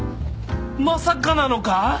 まさかなのか⁉